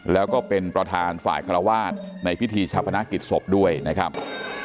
แล้วก็เป็นประธานฝ่ายคารวาสในพิธีชาพนักกิจศพด้วยนะครับ